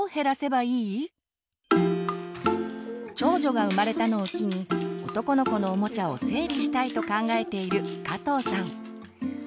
長女が生まれたのを機に男の子のおもちゃを整理したいと考えている加藤さん。